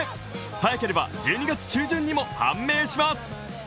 早ければ１２月中旬にも判明します。